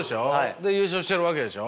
で優勝してるわけでしょ。